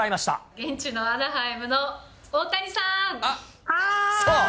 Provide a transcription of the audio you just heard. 現地のアナハイムの大谷さーはーい。